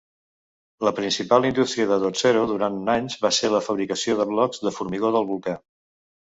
La principal indústria de Dotsero durant anys va ser la fabricació de blocs de formigó del volcà.